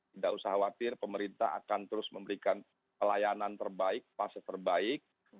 tidak usah khawatir pemerintah akan terus memberikan pelayanan terbaik fase terbaik